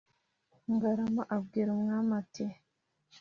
Ngarama abwira umwami ati